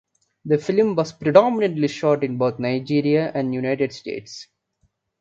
The film was predominantly shot in both Nigeria and United States.